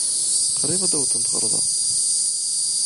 Qrib ad d-awḍent ɣer da.